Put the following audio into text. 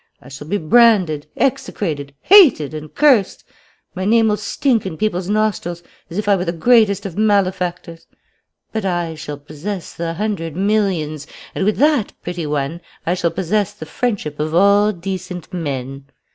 I shall be branded, execrated, hated, and cursed; my name will stink in people's nostrils, as if I were the greatest of malefactors. But I shall possess the hundred millions; and with that, pretty one, I shall possess the friendship of all decent men!